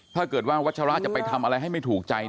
ถ้าเกิดว่าวัชระจะไปทำอะไรให้ไม่ถูกใจ